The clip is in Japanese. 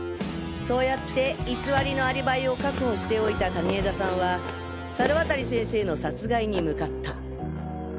そうやって偽りのアリバイを確保しておいた蟹江田さんは猿渡先生の殺害に向かった。